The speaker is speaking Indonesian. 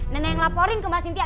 neneng laporin ke mbak sintia